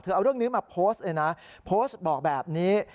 เอาเรื่องนี้มาโพสต์เลยนะโพสต์บอกแบบนี้